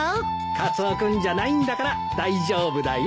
カツオ君じゃないんだから大丈夫だよ。